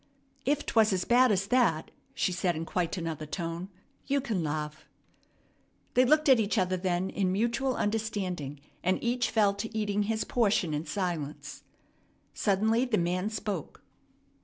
"If 'twas as bad as that," she said in quite another tone, "you c'n laugh." They looked at each other then in mutual understanding, and each fell to eating his portion in silence. Suddenly the man spoke.